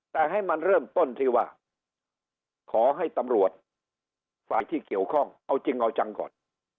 แต่ให้มันเริ่มต้นที่ว่าขอให้ตำรวจฝ่ายที่เกี่ยวข้องเอาจริงเอาจังก่อน